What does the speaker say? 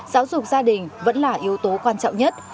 giáo dục gia đình vẫn là yếu tố quan trọng nhất